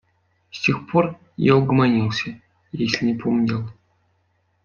С тех пор я угомонился, если не поумнел.